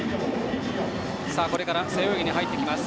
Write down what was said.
これから背泳ぎに入ってきます。